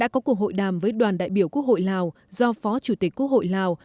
của hội đàm với đoàn đại biểu quốc hội lào do phó chủ tịch quốc hội lào